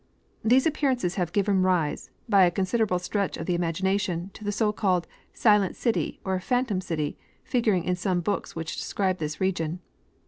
These appearances have given rise, hy a considerable stretch of the imagination, to the so called "• Silent city,'" or " Phantom city," figured in some hooks which describe this region.